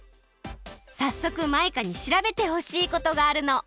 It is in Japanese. さっそくマイカに調べてほしいことがあるの！